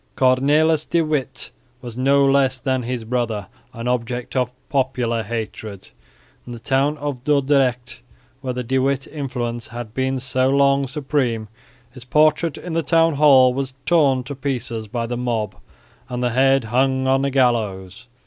Cornelis de Witt was, no less than his brother, an object of popular hatred. In the town of Dordrecht where the De Witt influence had been so long supreme his portrait in the Town hall was torn to pieces by the mob and the head hung on a gallows.